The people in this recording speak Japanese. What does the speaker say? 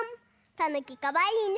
たぬきかわいいね。